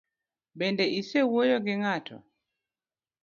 Bende isewuoyo gi ng'ato?